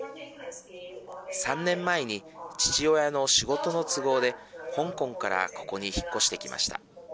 ３年前に父親の仕事の都合で香港からここに引っ越してきました。